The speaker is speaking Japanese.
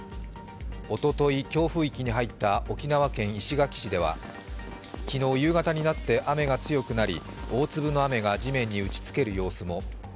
おととい、強風域に入った沖縄県石垣市では昨日夕方になって雨が強くなり大粒の雨が地面に打ちつける様子も。